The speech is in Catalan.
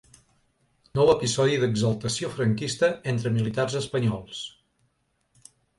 Nou episodi d’exaltació franquista entre militars espanyols.